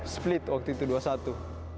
split waktu itu dua puluh satu